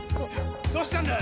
・どうしたんだ！？